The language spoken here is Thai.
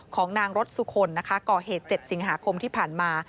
ของนางรสสุคลนะคะก่อเหตุ๗สิงหาคมที่ผ่านมา